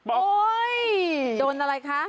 โอ้ยโดนอะไรคะ